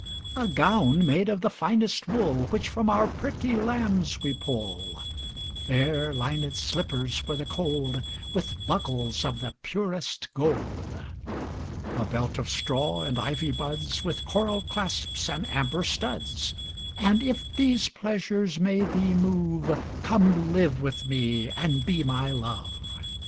A gown made of the finest wool Which from our pretty lambs we pull; Fair linèd slippers for the cold, 15 With buckles of the purest gold. A belt of straw and ivy buds With coral clasps and amber studs: And if these pleasures may thee move, Come live with me and be my Love.